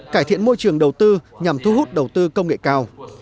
cải thiện môi trường đầu tư nhằm thu hút đầu tư công nghệ cao